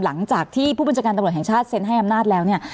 หลังจากที่ผู้บัญชาการตำรวจแห่งชาติเซ็นให้อำนาจแล้วเนี่ย